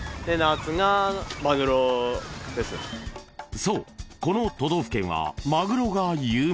［そうこの都道府県はマグロが有名］